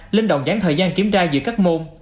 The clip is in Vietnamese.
lên đồng giảng thời gian kiểm tra giữa các môn